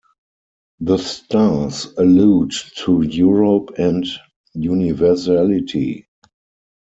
The stars allude to Europe and universality.